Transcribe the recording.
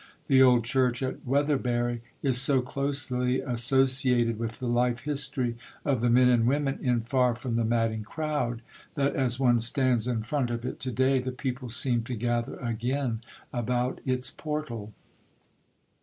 The old church at Weatherbury is so closely associated with the life history of the men and women in Far from the Madding Crowd that as one stands in front of it to day the people seem to gather again about its portal....